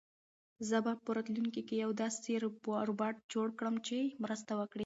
زه به په راتلونکي کې یو داسې روبوټ جوړ کړم چې مرسته وکړي.